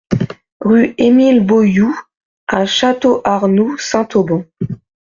Rue Émile Boyoud à Château-Arnoux-Saint-Auban